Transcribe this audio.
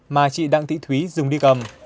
mà chị đặng thị thúy dùng đi cầm